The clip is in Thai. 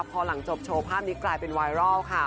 พอหลังจบโชว์ภาพนี้กลายเป็นไวรัลค่ะ